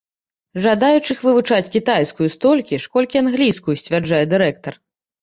Жадаючых вывучаць кітайскую столькі ж, колькі англійскую, сцвярджае дырэктар.